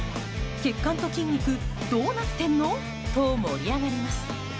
血管と筋肉どうなってんの？と盛り上がります。